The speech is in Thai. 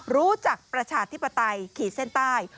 รู้จักประชาธิปไตยขีดเส้นใต้